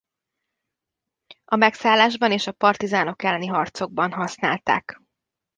A megszállásban és a partizánok elleni harcokban használták.